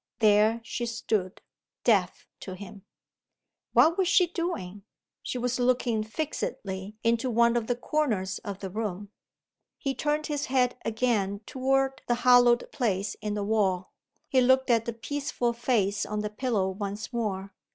There she stood, deaf to him. What was she doing? She was looking fixedly into one of the corners of the room. He turned his head again toward the hollowed place in the wall. He looked at the peaceful face on the pillow once more.